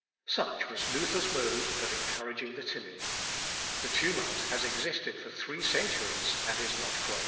" Such was Luther's mode of encouraging the timid. The tumult has existed for three centuries and is not quelled!